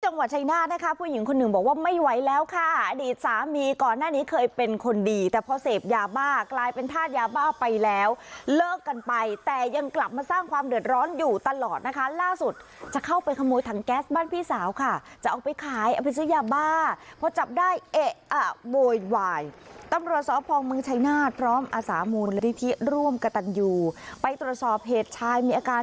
จังหวัดชัยนาธ์นะคะผู้หญิงคนหนึ่งบอกว่าไม่ไหวแล้วค่ะอดีตสามีก่อนหน้านี้เคยเป็นคนดีแต่พอเสพยาบ้ากลายเป็นท่านยาบ้าไปแล้วเลิกกันไปแต่ยังกลับมาสร้างความเดือดร้อนอยู่ตลอดนะคะล่าสุดจะเข้าไปขโมยทางแก๊สบ้านพี่สาวค่ะจะออกไปขายเอาไปซื้อยาบ้าเพราะจับได้เอ๊ะอ่ะโบยวายตำรวจสอบฟองเมืองชัยนา